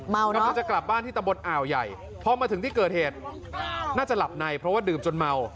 กำลังจะกลับบ้านที่ตะบนอ่าวใหญ่พอมาถึงที่เกิดเหตุน่าจะหลับในเพราะว่าดื่มจนเมา